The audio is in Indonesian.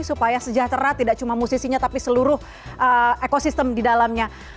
supaya sejahtera tidak cuma musisinya tapi seluruh ekosistem di dalamnya